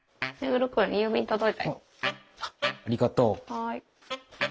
はい。